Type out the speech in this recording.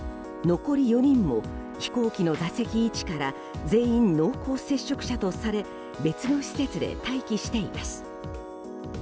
残り４人も飛行機の座席位置から全員、濃厚接触者とされ別の施設で待機しています。